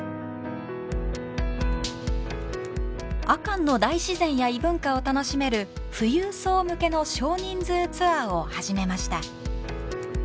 阿寒の大自然や異文化を楽しめる富裕層向けの少人数ツアーを始めました。